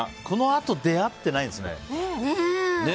このあと出会ってないんですね。